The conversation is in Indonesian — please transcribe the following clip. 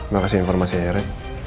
makasih informasinya ren